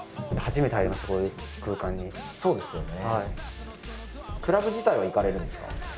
そうですよね。